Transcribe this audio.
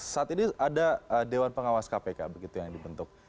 saat ini ada dewan pengawas kpk begitu yang dibentuk